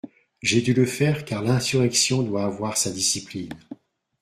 J'ai dû le faire, car l'insurrection doit avoir sa discipline.